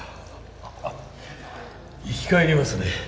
生き返りますね。